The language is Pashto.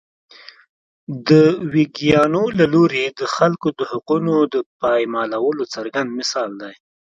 د ویګیانو له لوري د خلکو د حقونو د پایمالولو څرګند مثال دی.